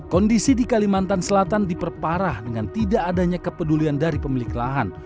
kondisi di kalimantan selatan diperparah dengan tidak adanya kepedulian dari pemilik lahan